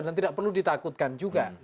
dan tidak perlu ditakutkan juga